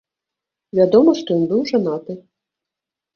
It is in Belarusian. Вядома, што ён быў жанаты.